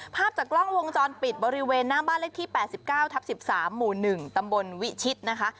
ภาพจากกล้องวงจรปิดบริเวณหน้าบ้านเลขที่๘๙ทับ๑๓หมู่๑ตำบลวิชิตนะคะ